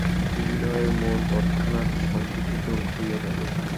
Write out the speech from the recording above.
বিনয়ের মন তৎক্ষণাৎ সংকুচিত হইয়া গেল।